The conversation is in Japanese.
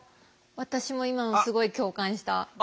私も今のすごい共感した。